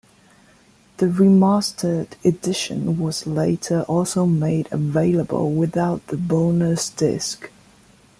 The remastered edition was later also made available without the bonus disc.